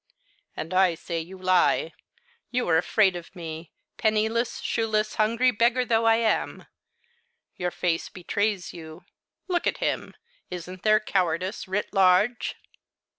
"And I say you lie you are afraid of me, penniless, shoeless, hungry beggar though I am. Your face betrays you; look at him! Isn't there cowardice writ large?"